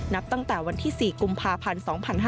นับตั้งแต่วันที่๔กุมภาพันธ์๒๕๕๙